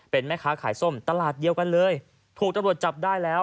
เป็นแม่ค้าขายส้มตลาดเดียวกันเลยถูกตำรวจจับได้แล้ว